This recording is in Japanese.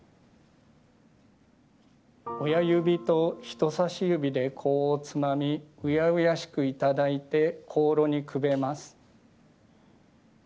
親指と人さし指で香をつまみ恭しくいただいて香炉にくべます。